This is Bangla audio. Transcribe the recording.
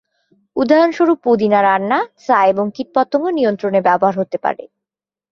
উদাহরণস্বরূপ, পুদিনা রান্না, চা এবং কীটপতঙ্গ নিয়ন্ত্রণে ব্যবহার হতে পারে।